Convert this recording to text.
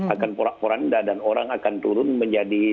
akan puranda dan orang akan turun menjadi